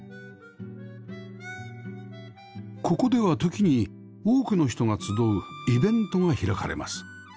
ここでは時に多くの人が集うイベントが開かれます